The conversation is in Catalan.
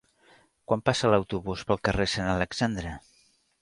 Quan passa l'autobús pel carrer Sant Alexandre?